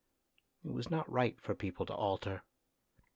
It was not right for people to alter.